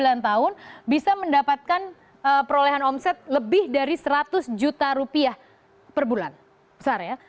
dengan usia dua puluh sembilan tahun bisa mendapatkan perolehan omset lebih dari seratus juta rupiah per bulan besar ya